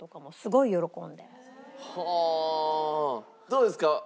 どうですか？